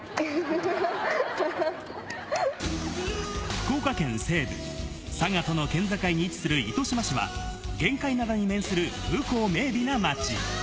福岡県西部、佐賀との県境に位置する糸島市は、玄界灘に面する風光明媚な町。